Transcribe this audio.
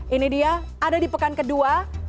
ini dia ada di pekan kedua